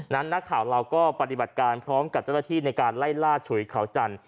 นักข่าวเราก็ปฏิบัติการพร้อมกับเจ้าหน้าที่ในการไล่ล่าฉุยเขาจันทร์